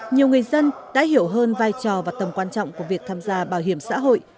nhiều người dân đã hiểu hơn vai trò và tầm quan trọng của việc tham gia bảo hiểm xã hội